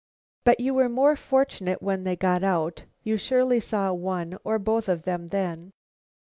"But you were more fortunate when they got out? You surely saw one or both of them then?"